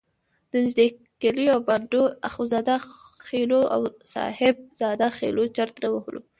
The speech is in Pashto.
د نږدې کلیو او بانډو اخندزاده خېلو او صاحب زاده خېلو چرت نه وهلو.